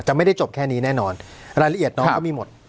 ไม่ได้จบแค่นี้แน่นอนรายละเอียดน้องก็มีหมด